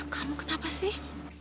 kamu kenapa sih